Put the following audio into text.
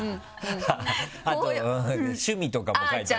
趣味とかも書いてある。